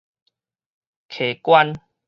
㧎關